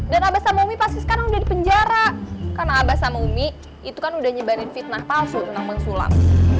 dan abah sama umi pasti sekarang udah di penjara karena abah sama umi itu kan udah nyebarin fitnah palsu tentang bang sulam